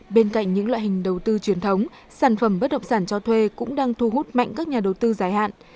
bên cạnh những loại hình đầu tư truyền thống sản phẩm bất động sản cho thuê cũng đang thu hút mạnh các nhà đầu tư dài hạn